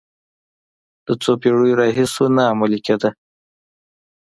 د څو پېړیو راهیسې نه عملي کېده.